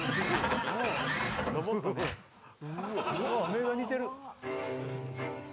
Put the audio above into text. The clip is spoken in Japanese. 目が似てる。